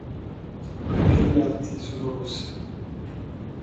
Anche gli arti sono rossi.